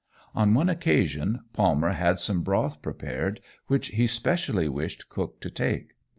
On one occasion Palmer had some broth prepared, which he specially wished Cook to take.